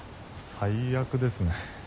最悪ですね。